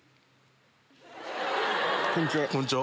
こんにちは。